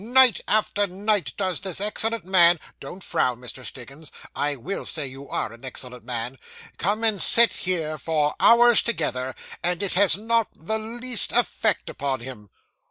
Night after night does this excellent man don't frown, Mr. Stiggins; I _will _say you _are _an excellent man come and sit here, for hours together, and it has not the least effect upon him.